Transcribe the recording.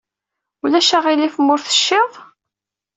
Ulac aɣilif ma ur t-tecciḍ.